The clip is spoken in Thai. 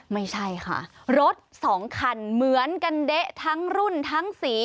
ไม่ใช่ค่ะรถสองคันเหมือนกันเด๊ะทั้งรุ่นทั้งสี